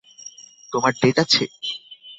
তোমার ডেট আছে?